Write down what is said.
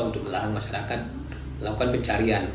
kita tidak bisa melarang masyarakat melakukan pencarian